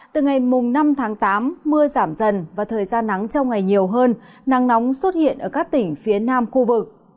từ ngày năm tháng tám mưa giảm dần và thời gian nắng trong ngày nhiều hơn nắng nóng xuất hiện ở các tỉnh phía nam khu vực